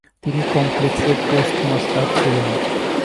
তিনি কমেক্সের পোস্টমাস্টার ছিলেন।